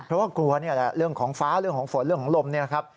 เพราะว่ากลัวเรื่องของฟ้าเรื่องของฝนและเรื่องของลมนะครับ